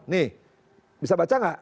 nih bisa baca gak